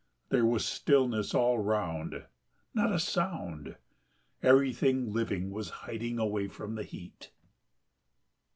There was stillness all round, not a sound... everything living was hiding away from the heat.